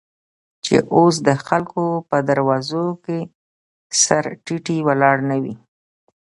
چې اوس دخلکو په دروازو، کې سر تيټى ولاړ نه وې.